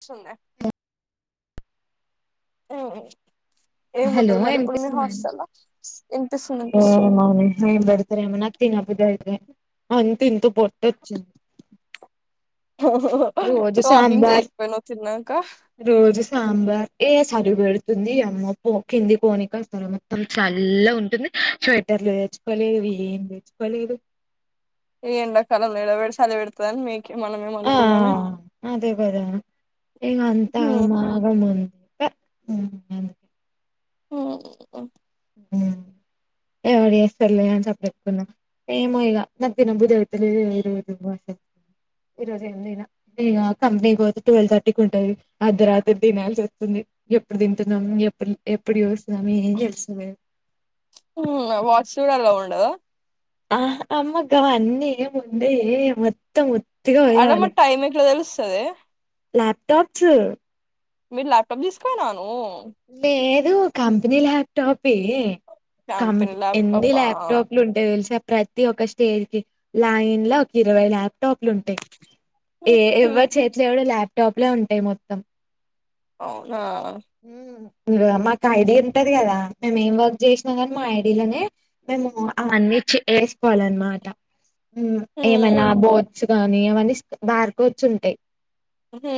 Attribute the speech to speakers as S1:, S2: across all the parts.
S1: [unintelligible]
S2: Hello
S1: ఏముంటది మరి ఇప్పుడు మీ
S2: వినిపిస్తుందా అండి
S1: హాస్టల్లో ఇనిపిస్తుంది ఇనిపిస్తుంది
S2: ఏమన్నా తిన బుద్ధి అయితది అంత ఇంత పొట్టొచ్చింది.
S1: హా హా హా
S2: రోజు
S1: వాకింగ్
S2: సాంబార్
S1: చెయ్యకపోయినావ్ తిన్నంక
S2: రోజు సాంబార్ ఏ సరిపెడుతుంది అమ్మ కింది కోనీక వస్తారు. మొత్తం చల్లగ ఉంటుంది. స్వెటర్లు తెచ్చుకోలేదు ఏం తెచ్చుకో మ లేదు
S1: ఈ ఎండాకాలం లేడ సలి పెడతాందీ మీ
S2: ఆ అదే గదా ఇగ అంత ఆగమాగం ఉ
S1: ఉ
S2: ఉ ఎవడి ఏస్తరులే సప్పడకున్నా ఏమో ఇగ నాకి తినబుద్ధైతలేదు. [unintelligible] ఈ రోజు ఎమ్ తిన ఇగ కంపెనీ పోతే ట్వెల్వ్ థర్టీకి ఉంటది. అర్ధరాత్రి తినాల్సి ఒస్తుంది. ఎప్పుడు తింటున్నాము ఎప్పుడు ఎప్పుడు చూస్తున్నాము ఏం తెలుస్తలేదు.
S1: ఊ వాచ్స్ కూడ అలోవ్ ఉండద
S2: ఆహ్ అమ్మగవన్నీ ఏముండయే, మొత్తం ఉ
S1: ఆడ మాక్ టైమ్ ఎట్ల తెలుస్తదే
S2: ల్యాప్టాప్స్
S1: మీరు ల్యాప్టాప్ తీసుకపోయినవ నువ్వు
S2: లేదు కంపెనీ ల్యాప్టాపే కం
S1: కంపెనీ
S2: ఎన్ని
S1: ల్యాప్టాపా
S2: ల్యాప్టాప్లు ఉంటాయి తెల్సా ప్రతి ఒక్క స్టేజ్ కి లైన్ల ఒక ఇరవై ల్యాప్టాప్లు ఉంటాయి. ఏ ఎవ్వరి చేత్ల చూడ్ ల్యాప్టాప్లే ఉంటాయి మొత్తం
S1: అవునా
S2: ఉ నువ మాకు ఐడి ఉంటది కదా మేము ఏం వర్క్ చేశ్న కాని మా ఐడిలనే మేము అవన్నీ చి ఎస్ పోలన్ మాట ఏమైనా
S1: హ్మ్
S2: బోర్డ్స్ గాని, అవ్వని బార్కోడ్స్ ఉంటాయి.
S1: హూ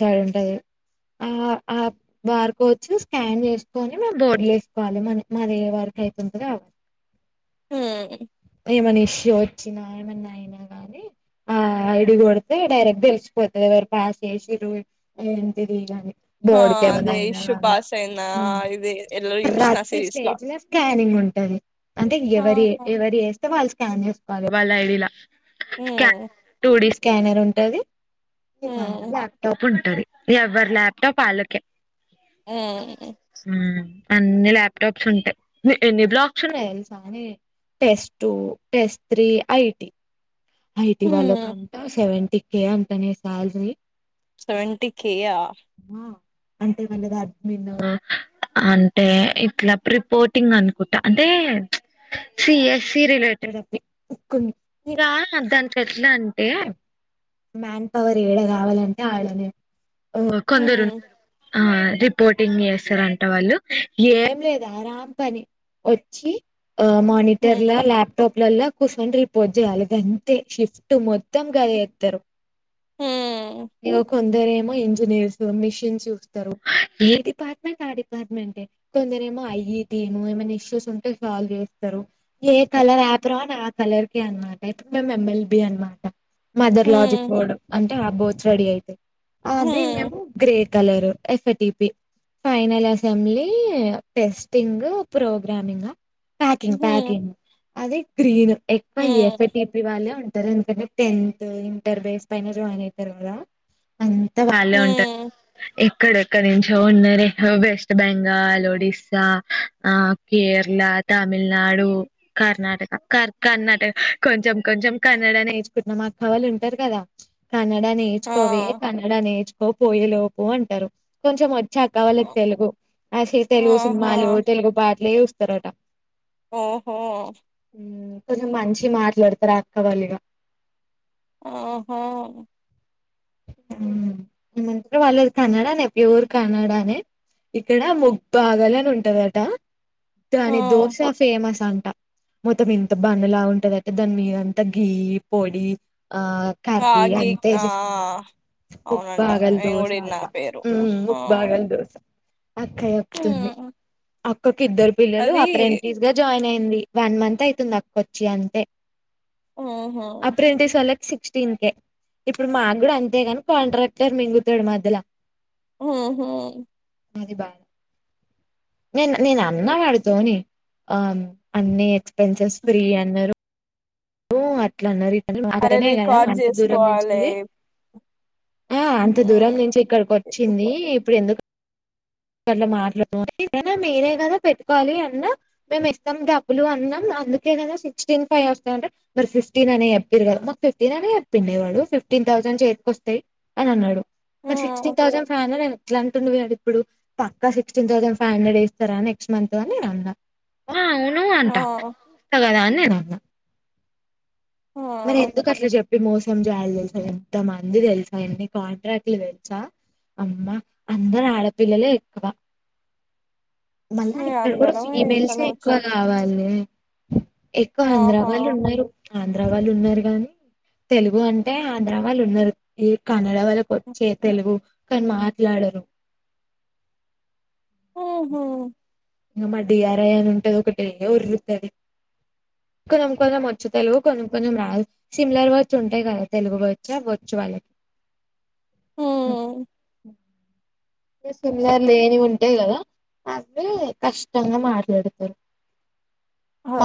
S2: సారుంటది ఆ ఆ వార్కోచ్చు. స్కాన్ చేసుకొని మ బోర్డ్ల ఎస్కోవలి. మన మన ఏ వరకు అయితుందో ఆ
S1: ఉ
S2: ఏమని ఇష్యూ వచ్చినా, ఎమన్న అయినా గానీ ఆ ఐడి కొడితే డైరెక్ట్ తెల్సిపోతది. ఎవరు పాస్ట్ చేసిర్రు ఏంటిదిగని.
S1: ఆ
S2: బోర్డ్కెమన్న
S1: అదే
S2: అయినా
S1: ఇష్యూ
S2: గానీ,
S1: పాస్ అయిందా ఇది ఎల్లో చూసిన
S2: రాత్రి
S1: సిరీస్
S2: స్టేజ్ల స్కానింగ్ ఉం ది అంటే ఎవరి
S1: లా
S2: ఎవరి ఎస్తే వాళ్ళు స్కాన్ చేసుకోవాలి వాళ్ళ ఐడిల [unintelligible]
S1: హ్మ్
S2: టూడి స్కానర్ ఉంటది. [unintelligible]
S1: హ్మ్
S2: ల్యాప్టాప్. ఉంటది. ఎవ్వర్ ల్యాప్టాప్ వాళ్ళకె
S1: ఉమ్
S2: అన్ని ల్యాప్టాప్స్ ఉంటయి. ని ఎన్ని బ్లాక్స్ ఉన్నయి తెల్సానే టెస్ టూ, టెస్ త్రీ, ఐటి ఐటీ వాళ్ళ
S1: హ్మ్
S2: కంట సెవెంటి కే అంటనే సాల్రీ.
S1: Seventy K yeah!
S2: అంటే వాళ్ళది అడ్మీన్ అంటే ఇట్ల ప్రిపోర్టింగ్ అనుకుంటా అంటే సిఎస్ఈ రిలేటింగ్ [unintelligible] ఇగా దాంట్ల ఎట్లంటే మ్యాన్ పవర్ ఏడ కావాలంటే ఆడనే ఓ
S1: హ్మ్
S2: కొందరున్నరు. ఆ రిపోర్టింగ్ చేస్తారంట వాళ్ళు ఏం లేదే అరాం పని వచ్చి ఆ మానిటర్లా,
S1: హ్మ్
S2: ల్యాప్టాప్లల్ల కూర్చొని రిపోర్ట్ చేయాలి గం తె షిఫ్ట్ మొత్తం గదే ఎత్తరు
S1: హ్మ్
S2: ఇగ కొం కొందరేమో ఇంజనీర్స్ మిషిన్స్ చూస్తారు ఏ డిపార్ట్మెంట్ ఆ డిపార్ట్మెంటే కొందరే మో ఐఈటి నువ్ ఏమన్న ఇష్యూస్ ఉంటే సాల్వ్ జేస్తరు. ఏ కలర్ ఆఫ్రాన్ ఆ కలర్కే మాట ఇప్పుడ్ మేం ఎంఎల్బి అన్మాట. మదర్ లాజిక్
S1: హ్మ్
S2: బోర్డు అంటే ఆ బోర్డ్స్ రెడీ అయితయి. అది
S1: హ్మ్
S2: మేము grey colour FATP final assembly testing programming packing
S1: హ్మ్
S2: ప్యాకింగ్ అది గ్రీన్ ఎక్కువ
S1: హ్మ్
S2: ఎఫ్ఎటి వాళ్ళే ఉంటరు ఎందుకంటే టెన్త్, ఇంటర్ బేస్ పైన జాయిన్ అయితరు కదా అం త వాళ్ళే ఉంటర్
S1: హ్మ్
S2: ఎ క్కడెక్కడ్ నుంచో ఉన్నరే వెస్ట్ బెంగాల్, ఒడిస్సా, ఆ కేరళ తమిళనాడు, కర్ణాటక కర్ కర్ణటక కొంచం కొంచం కన్నడ నేర్చుకున్నాం మా అక్క వాళ్ళు ఉంటరు కదా కన్నడ
S1: ఆ
S2: నేర్చుకోవే కన్నడ నేర్చు కో పోయేలోపు అంటరు. కొంచం వచ్చాక
S1: ఆ,
S2: వాళ్ళక్ తెలుగు యాస్ ఎ తెలుగు
S1: ఆహా
S2: సినిమాలు, తెలుగు పాటలే చూస్తరట.
S1: ఆహా
S2: కొంచం మంచిగ్ మాట్లాడ్తర్ ఆ అక్క వాళ్ళిగ
S1: ఆహో
S2: ఏమంటరు వాళ్ళది కన్నడానే ప్యూర్ కన్నడానే ఇక్కడ ముగ్ బాగలన్ ఉంటదట
S1: ఆ
S2: దాని దోశ ఫేమస్ అం ట మొత్తం ఇంత బండలా ఉంటదట దాన్ మీదంతా గీ పొడి ఆ
S1: ఆ
S2: కర్రీ అంత
S1: గీక్ ఆ
S2: ఏసేస్తరే
S1: అవునంట
S2: ముప్బాగల్
S1: నేను
S2: దోస
S1: కూడా ఇన్న
S2: ఆట
S1: ఆ పేరు ఆ
S2: ముప్బాగల్ దోస అక్క చెప్తుంది.
S1: హ్మ్
S2: అక్కకి ఇద్దరు పిల్లలు
S1: అది
S2: అప్రెంటిస్గ జాయిన్ అయి ది వన్ మంత్ అయితుంది అక్క వచ్చి అంటే
S1: ఆహా
S2: అప్రెంటిస్ వాళ్ళక్ సిక్స్టీన్ కే ఇప్పుడు మాక్ గుడా అంతేగని కాంట్రాక్టర్ మింగుతడు మధ్యల
S1: ఆ హ
S2: అది బాలా నేన్ నేన్ అన్నా వాడితోనే అవ్ను అన్ని ఎక్స్పెన్సెస్ ఫ్రీ అన్నరు అట్లన్నరు మా
S1: అరే
S2: ధరణే కదా
S1: రికార్డ్
S2: అంత దూరం
S1: చేసుకోవాలే
S2: నుంచెళ్ళి ఆ అంత దూరం
S1: హ్మ్
S2: నుంచి ఇక్కడికొచ్చింది ఇప్పుడ్ ఎందుకు గట్ల మాట్లాడూ [unintelligible] మేమే కదా పెట్టుకోవాలి అన్నా మేం ఇస్తాం డబ్బులు అన్నం అందుకే గదా సిక్స్టీన్ ఫైవ్ వస్తాదంటే మీరు ఫిఫ్టీన్ అనే చెప్పిరు కదా మాక్ ఫిఫ్టీన్ అనే చెప్పిండే వాడు ఫిఫ్టీ టీన్ థౌండ్ చేతికొస్తాయి అని అన్నాడు
S1: ఆ
S2: నా సిక్స్టీన్ థౌసండ్ ఫై్ హండ్రెడ్ ఎట్లా అంటుండు వాడు ఇప్పుడు పక్కా సిక్స్టీన్ థౌజండ్ ఫైవ్ హండ్రెడ్ వేస్తారా నెక్స్ట్ మంత్ అని నీను అన్న అ ఆవును అంట
S1: ఆ
S2: [unintelligible] కదా అని నీను అన్న
S1: ఆ
S2: మరి ఎందుకట్లా చెప్ పి మోసం చేయాలి తెలుసా ఎంత మంది తెలుసా ఇన్ని కాంట్రాక్ట్లు తెలుసా అమ్మా అందరు ఆడపిల్లలే ఎక్కువ మళ్ళా
S1: మీ
S2: ఇక్కడ కూడా
S1: అందరం
S2: ఫీమేల్సే
S1: ఇక్కనే వచ్చి
S2: ఎక్కువ కావాలి ఎక్కువ ఆంధ్రా
S1: ఆహా
S2: వాళ్ళు ఉన్నారు ఆంధ్ర వాళ్ళు ఉన్నారు కాని తెలుగు అంటే ఆంధ్ర వాళ్ళు ఉన్నారు ఈ కన నడవళ్ళకి వచ్చే తెలుగు కానీ మాట్లాడరు
S1: ఓ హో
S2: ఇగ మ డిఆర్ఐ అని ఉంటది ఒకటే ఓర్రుతది కొనం కోణం వచ్చు తెలుగు కొనంకోనం రాదు సిమ్లర్ వర్డ్స్ఉంటాయి కదా తెలుగు వచ్చా వచ్చు వాళ్ళకు
S1: మ్
S2: ఇగ సిమిలర్ లేనివి ఉంటయి కదా అవి కష్టంగా మాట్లడుతారు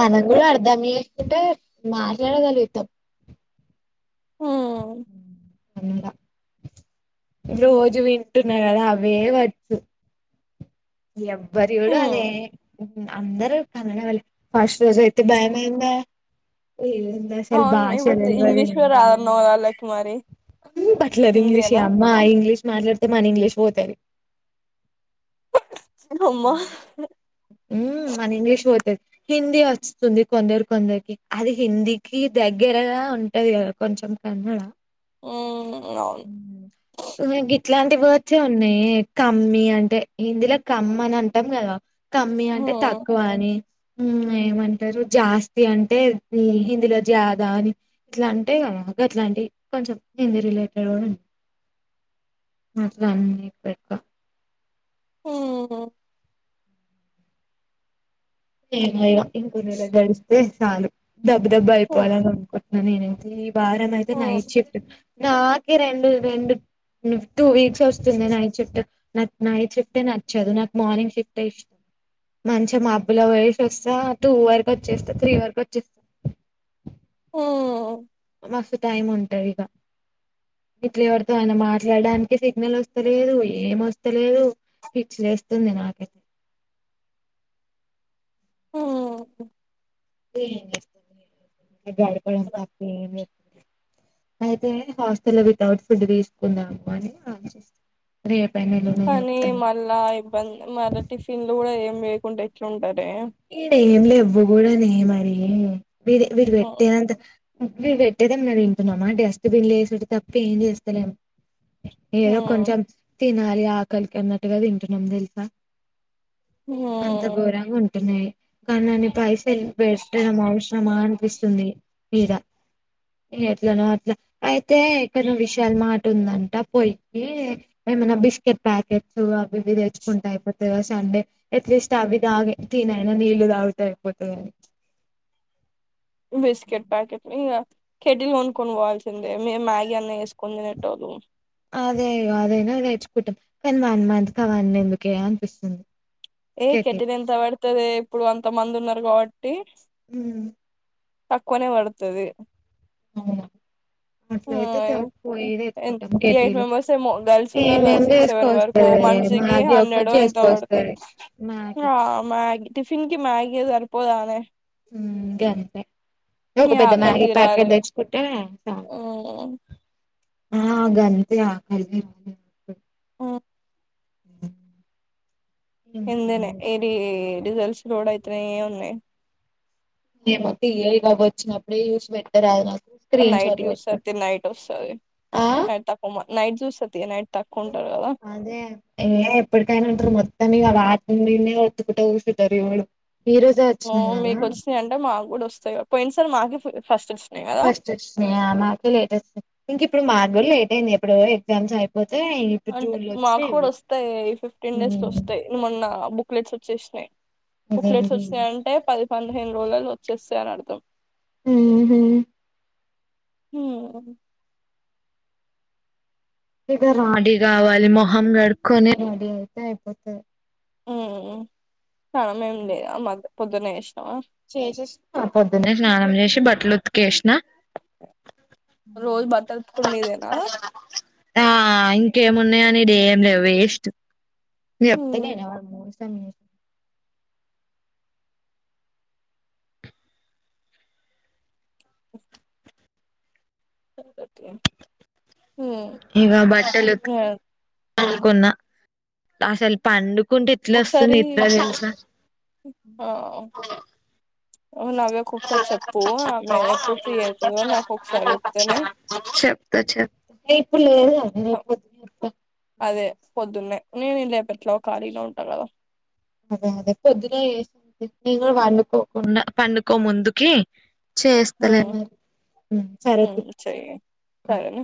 S2: మనం కూడా అర్ధం చేసుంటే మాట్లాడగలుగుతాం
S1: ఉమ్
S2: అ రోజు వింటున్నా కదా అవే వచ్చు ఎవ్వరు చూడు
S1: ఉమ్
S2: అదే అందర కనడ వాళ్ళే ఫస్ట్ రోజు అయితే భయమైందే ఏదసలు
S1: అవును
S2: భాష
S1: ఇప్పుడు
S2: తెలువదు
S1: ఇంగ్లీష్
S2: ఎం
S1: కూడా రాదన్నావు కదా వాళ్ళకి మరి
S2: తెలువదు బట్లర్ ఇంగ్లీషే
S1: హిందీయేనా
S2: అమ్మా అ ఇంగ్లీష్ మాట్లాడితే మన ఇంగ్లీష్ పోతది
S1: అమ్మా
S2: మ్ మన ఇంగ్లీష్ పోతది హిందీ వస్తది కొందరు కొందరికి అది హిందీకి దగ్గరగా ఉంటది కదా కొంచెం కన్నడ
S1: ఉమ్ అవును
S2: నాక్ గి ట్లాంటి వర్డ్స్ే ఉన్నాయే కమ్మి అంటే హిందీ ల కమ్ అని అంటాం కదా కమ్మి అంటే
S1: ఉమ్
S2: తక్కువ అని మ్ ఏమంటారు జాస్తి అంటే హిందీలో జాదా అని ఇట్లా అంటే కదా అట్లాంటివి కొంచెం హింది రిలేటెడ్ కూడా ఉం అట్ల అన్ని పెడ్క్క
S1: ఆ
S2: ఎం లే ఇగ ఇంకో నెల గడిస్తే చాలు దబ్బ దబ్బ
S1: ఉమ్
S2: అయిపోవాలనకుం నేనయితే ఈ వారం అయితే
S1: ఉమ్
S2: నైట్ షిఫ్ట్ నాకే రెండు రెండు టూ వీక్స్ వస్తుంది నైట్ షిఫ్ట్ నా నైట్ షిఫ్ట్ే నచ్చదు నాకు మార్నింగ్ షిఫ్టే ఇష్ మంచిగా మాబ్ బ్బుల పోయేసి వస్తా టూ వరకు వచ్చేస్తా త్రీ వరకు వచ్చేస్తా
S1: ఆ
S2: మస్తు టైం ఉంటది ఇగ ఇట్లు ఎవరితో ఆయిన మాట్లాడానికి సిగ్నల్ వస్తలేదు ఏం వస్తలేదు పిచ్చలేస్తుంది నాకైతే
S1: మ్
S2: ఎం చేస్తమే గడపడం తప్ప ఎం లేదు అయితే హాస్టల్ వితౌట్ ఫుడ్ తీసుకుందామని ఆలోచిస్ రేప్
S1: కానీ మళ్ళా ఇబ్బంది మళ్ళా టిఫిన్ లో కూడా ఏమి వేయకుంే ఎట్లఉంటరు
S2: ఇడ ఏం లే ఇవ్వ కూడనే మరి మీర్ వీరు
S1: ఉమ్
S2: పెట్టేదంత వీడు పెట్టేదేమన్న వింటున్నామా డస్ట్బిన్ లో వేసుడు తప్పి ఏం చేస్తలేం ఏదో
S1: ఉమ్
S2: కొంచెం తినాలి ఆకలికి అన్నట్టుగా తింటున్నాం తెలుసా అంత
S1: ఉమ్
S2: గోరాంగా ఉ న్నాయి కానీ అన్ని పైసలే పెట్టడం అవసరమా అనిపిస్తుంది ఈడ ఎట్లనో అట్లా అయితే ఎక్కన్నో విశాల్ మాట్ ఉందంట పోయి ఏమైనా బిస్కెట్ ప్యాకెట్స్ అవి ఇవి తెచ్చుకుంటా అయిపోతాయిో సండే ఎట్లీస్ట్ అవి తాగి తిని అయినా నీళ్లు తాగుటే అయిపోతదని
S1: బిస్కిట్ ప్యాకెట్ లు ఇగ కెటిలు కొనుక్కోని పోవాల్సిందే మేము మ్యాగీ అన్న వేసుకొని తినేటోళ్ళు
S2: అదే అదైనా అది నేర్చుకుంటాం కానీ వన్ మంత్ క వన్ని ఎందుకే అనిపిస్తుంది
S1: ఏ
S2: కెటిల్
S1: కట్టిన్ ఎంత పడుతదే ఇప్పుడు అంత మంది ఉన్నారు కాబట్టి తక్కువనే పడుతది
S2: అవునా
S1: ఆ
S2: అట్లయితె తక్కువాయ్యేదే
S1: ఎన్
S2: ఎతుకుంటాం
S1: ఎయిట్
S2: కెటీలు
S1: మెంబర్స్ ఏమో గర్ల్స్ ఉన్నారు కదా
S2: ఏమేమి
S1: సిక్స్ సెవెన్ వరకు
S2: చేసుకోస్తదే మ్యాగీ ఒకటి చేసుకొస్తదీ
S1: అ మ్యాగి టిఫిన్ కి మ్యాగీ సరిపోదానే
S2: హ్మ్ ఇంతే ఒక
S1: ఇగ
S2: పెద్ద
S1: ఆకలి
S2: మ్యాగీ ప్యాకెట్
S1: తీరాలే
S2: తెచ్చుకుంటే చాలు
S1: మ్మ్
S2: అ గంతే
S1: ఆ
S2: [inaudible]
S1: ఎందోనే
S2: ఇంకేంది
S1: ఏడి ఎడికల్సి రోడ్ అయితనే ఉన్నాయ్
S2: ఏమో సిఐ అవి వచ్చినప్పుడే చూసి బెట్టరదు
S1: నైట్ చూస్తాతి నైట్ వస్తది
S2: ఆ
S1: నకు నైట్ చూస్తతి నైట్ తక్కువ ఉంటారు కదా
S2: అదే ఏ ఎప్పుడుకైన ఉంటరు మ్ తం మీగ అ [unintelligible] ఒత్తుకుంట కుసుంటరు ఇవ్వడు
S1: ఓ మీకు వచ్చినాయి అంటే మాకు గుడా వస్తాయి పోయిన సారీ మాకే ఫ్ ఫస్ట్ వచ్
S2: ఫస్ట్ వచ్చినయ మాకి లేట్ వస్ ఇంక ఇప్పుడు మగ్గుడ లేట్ అయింది ఎప్పుడో ఎగ్జామ్స్ అయిపో
S1: అంటే మాకు కూడా వస్తాయి ఫిఫ్టీన్ డేస్కో వస్తాయి మొన్న బుక్లెట్స్ వచ్చేసినాయి
S2: అదే
S1: బుక్లెట్లు
S2: అదే
S1: వచ్చినాయంటే పది పదిహేను రోజులు వచ్చేస్తాయని అర్థం
S2: హ్మ్ హు
S1: హ్మ్
S2: ఇగ రడీ కావాలి మొహం గడుకొని రెడీ అయితే అయిపోతది
S1: హ్మ్ స్నానం ఎం లేదా మ పొద్దున్నే చేసినవ
S2: చేసేసిన పొద్దున్నే స్నానం చేసి బట్టలు ఉతికెసిన
S1: రోజు బట్టలు ఉతుకుడు మీదేనా
S2: అ ఇంకేమున్నాయ ఈడేం లేవు వేస్ట్ నీను
S1: హ్మ్
S2: చెప్తాలేనా మోసం చెస్
S1: త [inaudible]
S2: ఇగ బట్టెలు ఉత్కి పండుకున్న అసల్ పండు కుంటే ఎట్లవస్తుంది
S1: ఒకసారి
S2: నిద్ర తెలుసా
S1: ఆ నవ్యకు ఒకసారి చెప్పు ఆమె ఎప్పుడు ఫ్రీ అవుతుందో నాకు ఒకసారి చెప్తేనే
S2: చె త చెప్ ఏ ఇప్పుడు లేదు కాదనే
S1: అదే పొద్దున్నే నేనేం లేపట్లే ఖాళీగ ఉంట కదా
S2: అదే అదే పొద్దున్న లేసి నేను కూడా పండుకోకుండా పండుకో ముందుకే చేస్తలే
S1: హ్మ్
S2: మరి సరే తీ
S1: హ్మ్ చెయ్యి
S2: హా
S1: సరేనా